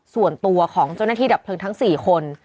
ส่วนตัวของเจ้าหน้าที่ดับเพลิงทั้ง๔คน